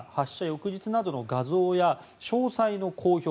翌日などの画像や詳細の公表